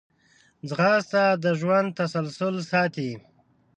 ځغاسته د ژوند تسلسل ساتي